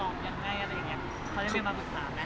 เขาก็คือมาปรึกษาไหม